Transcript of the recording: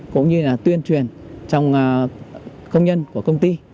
cũng như là tuyên truyền trong công nhân của công ty